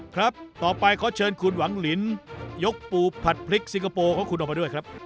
ครับต่อไปขอเชิญคุณหวังลินยกปูผัดพริกสิงคโปร์ของคุณออกมาด้วยครับ